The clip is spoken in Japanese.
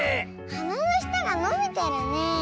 はなのしたがのびてるねえ。